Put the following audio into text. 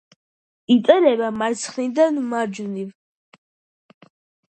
იწერება მარცხნიდან მარჯვნივ.